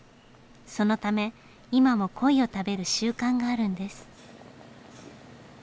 そのため今もコイを食べる習慣があるんです。